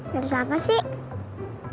harus apa sih